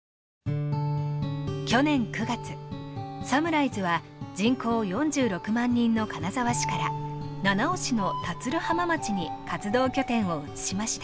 去年９月武士団は人口４６万人の金沢市から七尾市の田鶴浜町に活動拠点を移しました。